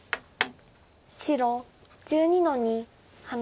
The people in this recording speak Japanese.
白１２の二ハネ。